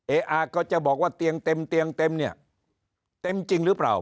อาก็จะบอกว่าเตียงเต็มเตียงเต็มเนี่ยเต็มจริงหรือเปล่า